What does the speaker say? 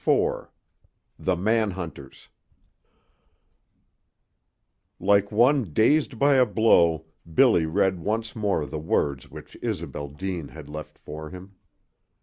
IV THE MAN HUNTERS Like one dazed by a blow Billy read once more the words which Isobel Deane had left for him.